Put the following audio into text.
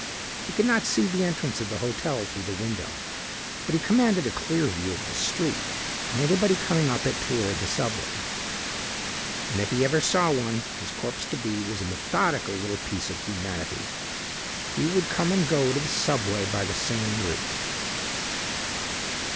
He could not see the entrance of the hotel through the window. But he commanded a clear view of the street and anybody coming up it toward the subway. And if he ever saw one, his corpse to be was a methodical little piece of humanity. He would come and go to the subway by the same route.